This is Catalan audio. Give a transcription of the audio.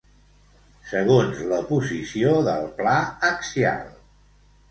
Segons la posició del pla axial.